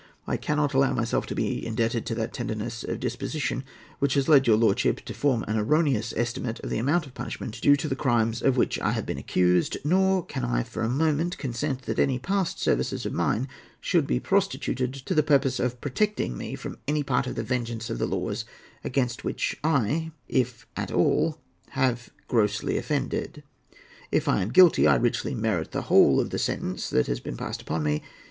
I cannot allow myself to be indebted to that tenderness of disposition which has led your lordship to form an erroneous estimate of the amount of punishment due to the crimes of which I have been accused; nor can I for a moment consent that any past services of mine should be prostituted to the purpose of protecting me from any part of the vengeance of the laws against which I, if at all, have grossly offended. If I am guilty, I richly merit the whole of the sentence that has been passed upon me.